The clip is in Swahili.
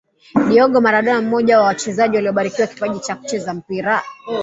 Diego Maradona mmoja wa wachezaji waliobarikiwa kipaji cha kucheza mpira